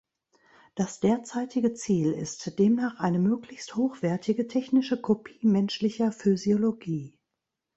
Das derzeitige Ziel ist demnach eine möglichst hochwertige technische Kopie menschlicher Physiologie.